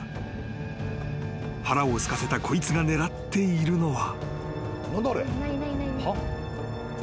［腹をすかせたこいつが狙っているのは］